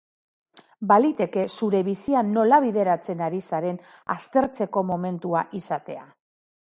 Baliteke zure bizia nola bideratzen ari zaren aztertzeko momentua izatea.